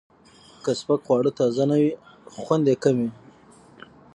که سپک خواړه تازه نه وي، خوند یې کم وي.